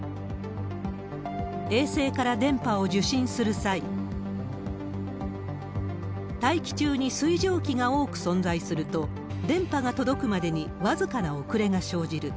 衛星から電波を受信する際、大気中に水蒸気が多く存在すると、電波が届くまでに僅かな遅れが生じる。